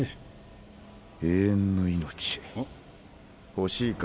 欲しいか？